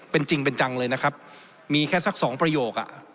เป็นจริงเป็นจังเลยนะครับมีแค่สักสองประโยคอ่ะ